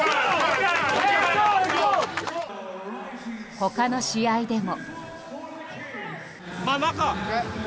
他の試合でも。